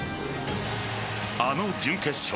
あの準決勝